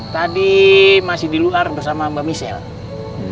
tadi masih di luar bersama mbak michelle